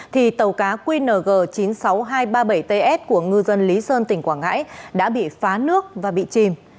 thì tàu cá qng chín mươi sáu nghìn hai trăm ba mươi bảy ts của ngư dân lý sơn tỉnh quảng ngãi đã bị phá nước và bị chìm